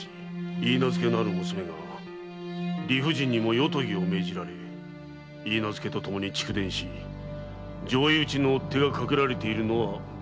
許婚のある娘が理不尽にも夜伽を命じられ許婚とともに逐電し上意討ちの追手がかけられているのは事実らしい。